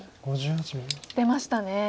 出ましたね。